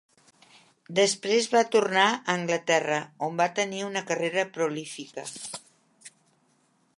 Després va tornar a Anglaterra, on va tenir una carrera prolífica.